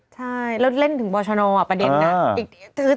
ใช่แล้วเล่นถึงบ่ชานอลอ่ะประเด็นนะ